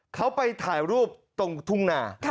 เขาไปถ่ายรูปตรงทุ่งนา